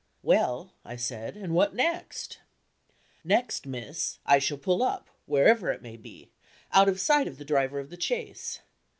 "Well," I said, "and what next?" "Next, miss, I shall pull up, wherever it may be, out of sight of the driver of the chaise.